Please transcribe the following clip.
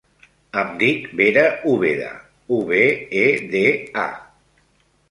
Em dic Vera Ubeda: u, be, e, de, a.